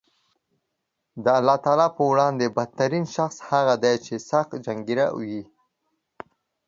د الله تعالی په وړاندې بد ترین شخص هغه دی چې سخت جنګېره وي